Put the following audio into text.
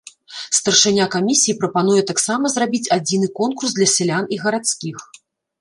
Старшыня камісіі прапануе таксама зрабіць адзіны конкурс для сялян і гарадскіх.